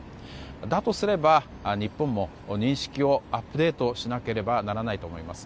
だとすれば、日本も認識をアップデートしなければならないと思います。